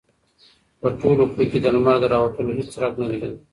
په ټول افق کې د لمر د راوتلو هېڅ څرک نه لګېده.